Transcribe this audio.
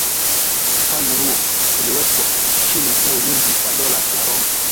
ufalme huo uliwekwa chini ya ulinzi wa Dola la Roma